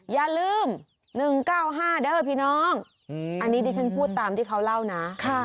อย่าลืมหนึ่งเก้าห้าได้เหรอพี่น้องอืมอันนี้ดิฉันพูดตามที่เขาเล่านะค่ะ